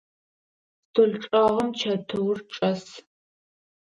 Стол чӏэгъым чэтыур чӏэс.